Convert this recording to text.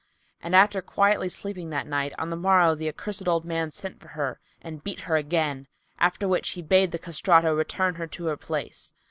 And after quietly sleeping that night, on the morrow the accursed old man sent for her and beat her again, after which he bade the Castrato return her to her place.